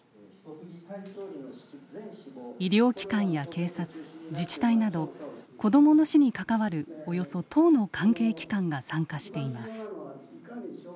医療機関や警察自治体など子どもの死に関わるおよそ１０の関係機関が参加しています。